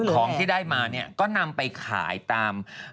ของที่ได้มาก็นำไปขายตาม